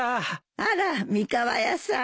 ・あら三河屋さん。